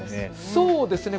そうですね。